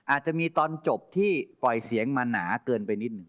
อาจจะมีตอนจบที่ปล่อยเสียงมาหนาเกินไปนิดหนึ่ง